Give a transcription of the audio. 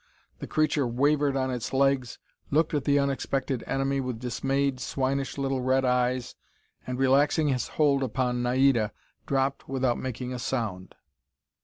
The creature wavered on its legs, looked at the unexpected enemy with dismayed, swinish little red eyes, and relaxing his hold upon Naida, dropped without making a sound.